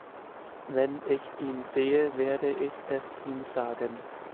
Wenn ich ihn sehe, werde ich es ihm sagen.